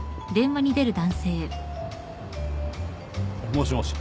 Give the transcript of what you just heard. もしもし